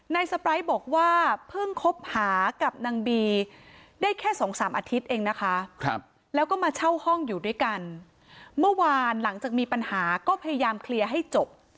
สไปร์บอกว่าเพิ่งคบหากับนางบีได้แค่สองสามอาทิตย์เองนะคะแล้วก็มาเช่าห้องอยู่ด้วยกันเมื่อวานหลังจากมีปัญหาก็พยายามเคลียร์ให้จบ